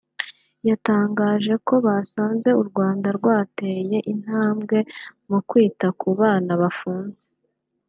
yatangaje ko basanze u Rwanda rwarateye intambwe mu kwita ku bana bafunze